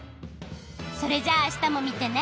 それじゃああしたもみてね！